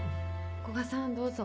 ・古賀さんどうぞ。